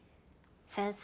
先生。